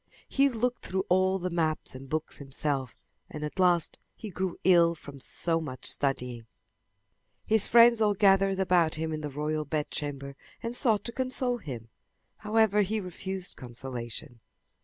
He looked through all the maps and books himself and at last he grew ill from so much studying. His friends all gathered about him in the royal bedchamber and sought to console him. However he refused consolation.